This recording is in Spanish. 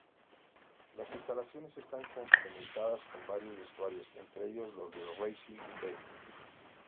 Las instalaciones están complementadas con varios vestuarios, entre ellos los del Racing "B".